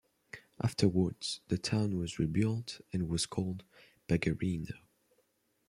Afterwards the town was rebuilt and was called Bagherino.